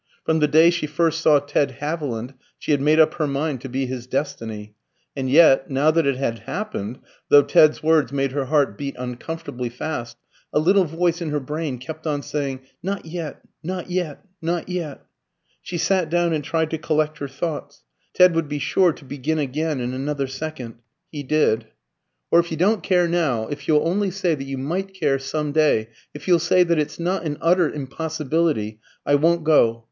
From the day she first saw Ted Haviland, she had made up her mind to be his destiny; and yet, now that it had happened, though Ted's words made her heart beat uncomfortably fast, a little voice in her brain kept on saying, "Not yet not yet not yet." She sat down and tried to collect her thoughts. Ted would be sure to begin again in another second. He did. "Or if you don't care now, if you'll only say that you might care some day, if you'll say that it's not an utter impossibility, I won't go.